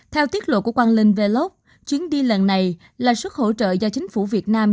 theo tiết lộ của hoàng linh vlog chuyến đi lần này là suất hỗ trợ do chính phủ việt nam